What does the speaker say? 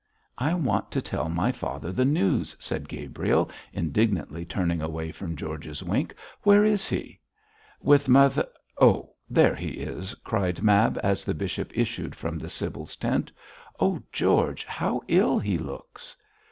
'I want to tell my father the news,' said Gabriel, indignantly turning away from George's wink. 'Where is he?' 'With Moth Oh, there he is,' cried Mab, as the bishop issued from the sibyl's tent. 'Oh, George, how ill he looks!'